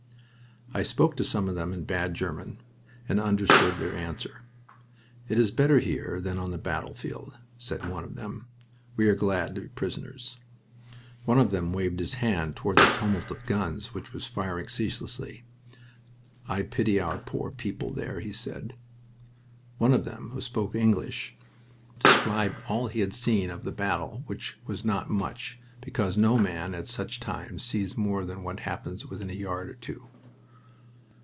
I spoke to some of them in bad German, and understood their answer. "It is better here than on the battlefield," said one of them. "We are glad to be prisoners." One of them waved his hand toward the tumult of guns which were firing ceaselessly. "I pity our poor people there," he said. One of them, who spoke English, described all he had seen of the battle, which was not much, because no man at such a time sees more than what happens within a yard or two.